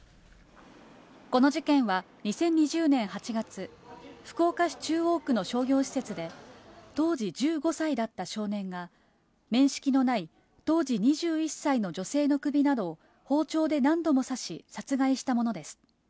この事件は、２０２０年８月、福岡市中央区の商業施設で、当時１５歳だった少年が、面識のない当時２１歳の女性の首などを包丁で何度も刺し、殺害したものです。